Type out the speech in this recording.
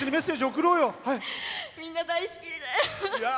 みんな大好き。